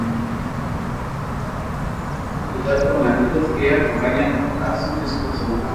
Marcados por la voluntad y verdad permanentes que acompañan a su discurso.